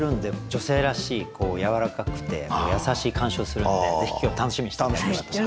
女性らしいやわらかくて優しい鑑賞するんでぜひ今日楽しみにして下さい。